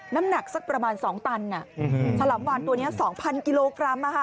น้ำหนักสักประมาณ๒ตันอ่ะฉลามวานตัวเนี่ย๒๐๐๐กิโลกรัมอ่ะค่ะ